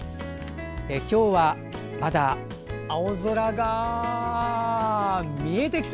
今日はまだ青空が見えてきた！